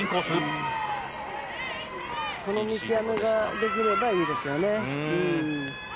この見極めができればいいですよね。